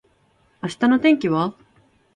明日の天気は？